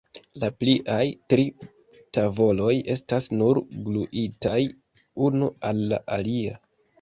La pliaj tri tavoloj estas nur gluitaj unu al la alia.